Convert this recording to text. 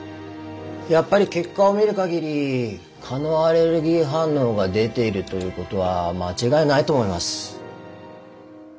やっぱり結果を見る限り蚊のアレルギー反応が出ているということは間違いないと思います。